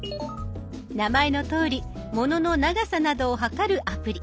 名前のとおりものの長さなどを測るアプリ。